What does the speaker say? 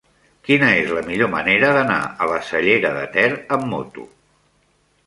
Quina és la millor manera d'anar a la Cellera de Ter amb moto?